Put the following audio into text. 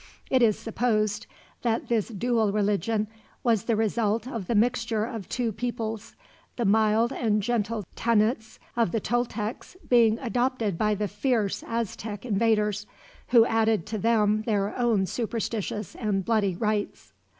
It is supposed that this dual religion was the result of the mixture of two peoples, the mild and gentle tenets of the Toltecs being adopted by the fierce Aztec invaders, who added to them their own superstitious and bloody rites.